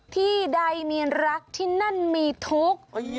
ที่ใดมีรักที่นั่นมีทุกข์